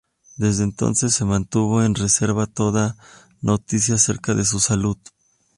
Desde entonces se mantuvo en reserva toda noticia acerca de su salud.